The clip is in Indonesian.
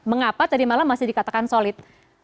mengapa tadi malam masih dikatakan solid